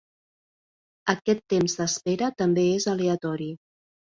Aquest temps d'espera també és aleatori.